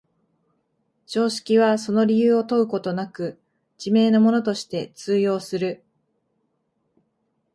常識はその理由を問うことなく、自明のものとして通用する。